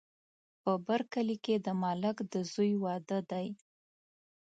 په بر کلي کې د ملک صاحب د زوی واده دی